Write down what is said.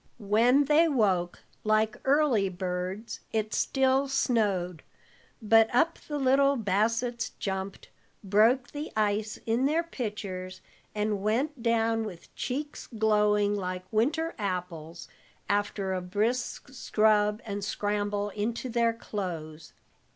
When they woke, like early birds, it still snowed, but up the little Bassetts jumped, broke the ice in their pitchers, and went down with cheeks glowing like winter apples, after a brisk scrub and scramble into their clothes.